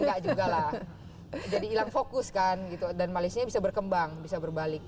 enggak juga lah jadi hilang fokus kan gitu dan malaysia bisa berkembang bisa berbalik